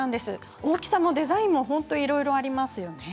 大きさもデザインもいろいろありますよね。